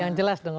yang jelas dong om